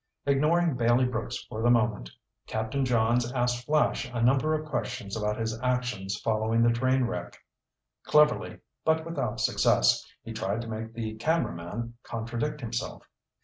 Ignoring Bailey Brooks for the moment, Captain Johns asked Flash a number of questions about his actions following the train wreck. Cleverly but without success he tried to make the cameraman contradict himself.